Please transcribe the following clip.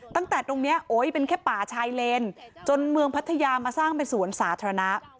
ตั้งแต่ตรงนี้โอ๊ยเป็นแค่ป่าชายเลนจนเมืองพัทยามาสร้างเป็นสวนสาธารณะ